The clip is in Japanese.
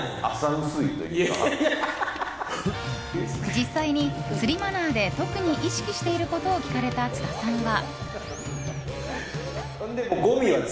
実際に釣りマナーで特に意識していることを聞かれた津田さんは。